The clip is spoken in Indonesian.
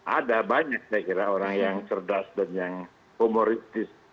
ada banyak saya kira orang yang cerdas dan yang humoritis